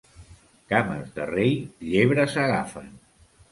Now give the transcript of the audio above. Cames de rei, llebres agafen.